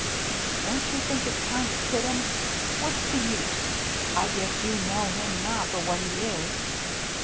" Don't you think it's time to quit 'em ? What's the use ? I guess you know him now for what he is."